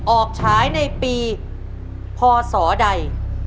ออกฉายในปีพศใด